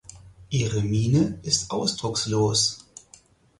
Ihre Miene ist ausdruckslos.